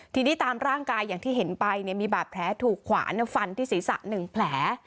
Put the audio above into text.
ทีนี้ตามร่างกายอย่างที่เห็นไปมีบาดแผลถูกขวานฟันที่ศีรษะ๑แผล